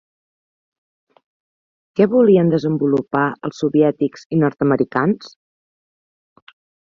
Què volien desenvolupar els soviètics i nord-americans?